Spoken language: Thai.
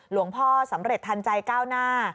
หลวงพ่อสำเร็จทันใจก้าวหน้า